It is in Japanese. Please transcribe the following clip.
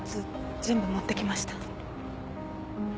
全部持ってきました。